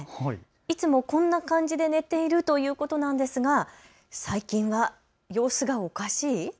いつもこんな感じで寝ているということなんですが最近は様子がおかしい。